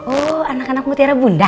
oh anak anak mutiara bunda